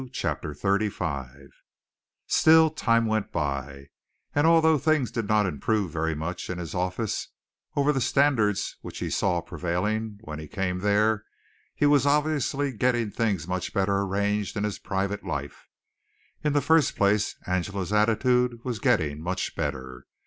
CHAPTER XXXV Still time went by, and although things did not improve very much in his office over the standards which he saw prevailing when he came there, he was obviously getting things much better arranged in his private life. In the first place Angela's attitude was getting much better.